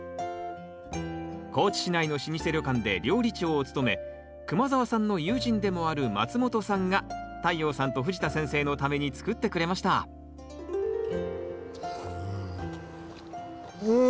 高地市内の老舗旅館で料理長を務め熊澤さんの友人でもある松本さんが太陽さんと藤田先生のために作ってくれましたうん！